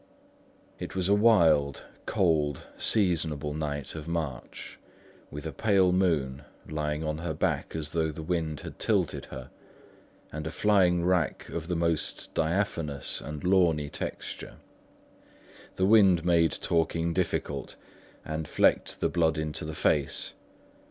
It was a wild, cold, seasonable night of March, with a pale moon, lying on her back as though the wind had tilted her, and flying wrack of the most diaphanous and lawny texture. The wind made talking difficult, and flecked the blood into the face.